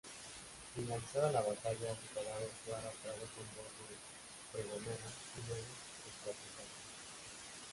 Finalizada la batalla, su cadáver fue arrastrado con voz de pregonero y luego descuartizado.